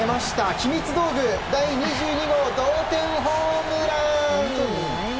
秘密道具第２２号同点ホームラン！